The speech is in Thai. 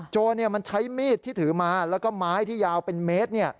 โจรมันใช้มีดที่ถือมาแล้วก็ไม้ที่ยาวเป็นเมตร